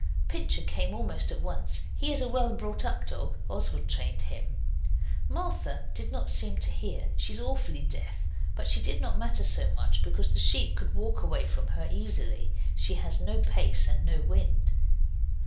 Pincher came almost at once. He is a well brought up dog Oswald trained him. Martha did not seem to hear. She is awfully deaf, but she did not matter so much, because the sheep could walk away from her easily. She has no pace and no wind.